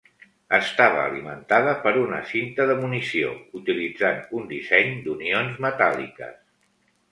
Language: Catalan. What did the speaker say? Estava alimentada per una cinta de munició, utilitzant un disseny d'unions metàl·liques.